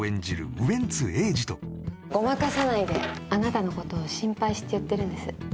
ウエンツ瑛士とごまかさないであなたのことを心配して言ってるんです